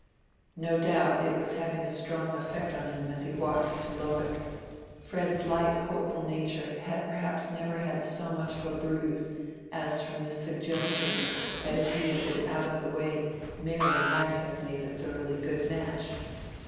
No doubt it was having a strong effect on him as he walked to Lowick. Fred's light hopeful nature had perhaps never had so much of a bruise as from this suggestion that if he had been out of the way Mary might have made a thoroughly good match.